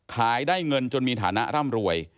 ขายได้เงินจนมีฐานะร่ำรวย